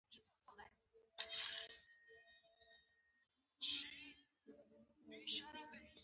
زه په مودې رسیږم